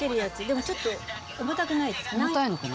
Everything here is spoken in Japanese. でもちょっと重たくないですか？